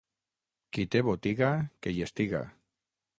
Qui té botiga, que hi estiga.